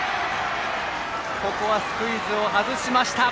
ここはスクイズを外しました。